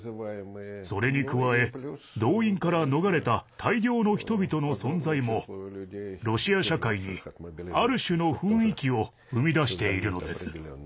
それに加え、動員から逃れた大量の人々の存在もロシア社会に、ある種の雰囲気を生み出しているのです。